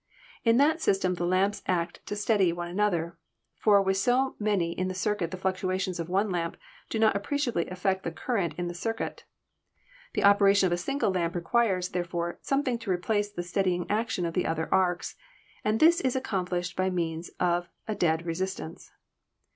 In that sys tem the lamps act to steady one another, for with so many in circuit the fluctuations of one lamp do not ap preciably affect the current in the circuit. The operation of a single lamp requires, therefore, something to replace the steadying action of the other arcs, and this is accom plished by means of a dead resistance.